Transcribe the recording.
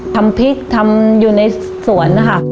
ทำพริกทำอยู่ในสวนนะคะ